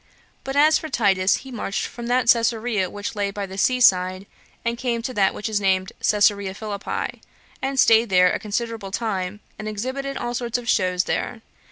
But as for Titus, he marched from that Cesarea which lay by the sea side, and came to that which is named Cesarea Philippi, and staid there a considerable time, and exhibited all sorts of shows there.